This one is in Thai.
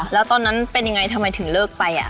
แล้วตอนนั้นเป็นยังไงทำไมถึงเลิกไป